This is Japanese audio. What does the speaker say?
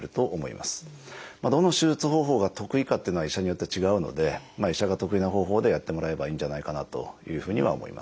どの手術方法が得意かっていうのは医者によって違うので医者が得意な方法でやってもらえばいいんじゃないかなというふうには思いますね。